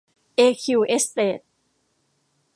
เอคิว เอสเตท